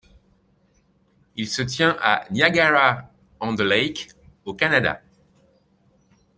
Il se tient à Niagara-on-the-Lake au Canada.